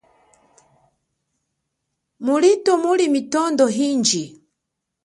Mulito muli mitondo inji.